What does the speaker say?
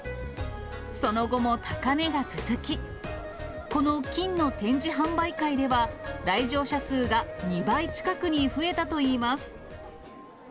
その後も高値が続き、この金の展示販売会では、来場者数が２倍近くに増えたといいます。